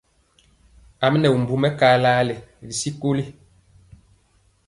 A mi nɛ bimbu mɛkalali ri sikoli.